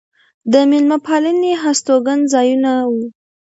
د مېلمه پالنې هستوګن ځایونه و.